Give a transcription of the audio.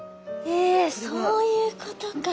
えそういうことか。